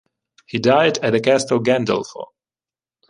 He died at Castel Gandolfo.